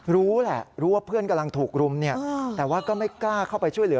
รู้แหละรู้ว่าเพื่อนกำลังถูกรุมแต่ว่าก็ไม่กล้าเข้าไปช่วยเหลือ